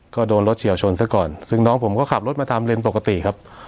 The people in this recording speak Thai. ก็โดนรถเฉียวชนซะก่อนซึ่งน้องผมก็ขับรถมาตามเลนปกติครับ